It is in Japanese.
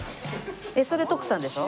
それ徳さんでしょ？